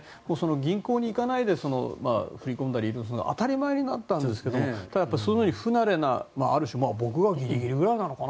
銀行に行かないで振り込んだりするの当たり前になったんですがただ、不慣れなある種、僕がギリギリぐらいなのかな